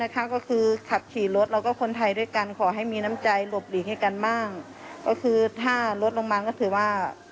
ก็คือถ้ารถรองมันก็ถือว่า